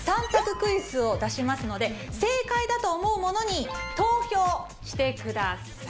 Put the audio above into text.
クイズを出しますので正解だと思うものに投票して下さい。